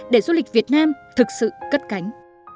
để du lịch việt nam thực sự cất cánh